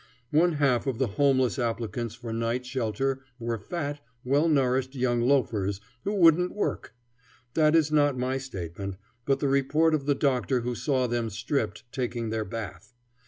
One half of the homeless applicants for night shelter were fat, well nourished young loafers who wouldn't work. That is not my statement, but the report of the doctor who saw them stripped, taking their bath.